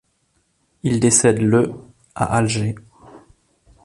Il décède le à Alger.